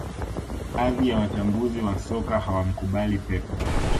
Baadhi ya wachambuzi wa soka hawamkubali Pep